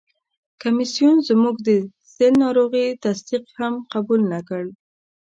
کمیسیون زموږ د سِل ناروغي تصدیق هم قبول نه کړ.